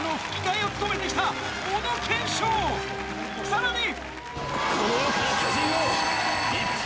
さらに！